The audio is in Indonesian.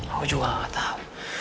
aku juga gak tau